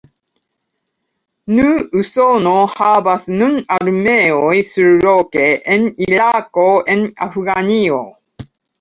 Nu, Usono havas nun armeojn surloke, en Irako, en Afganio.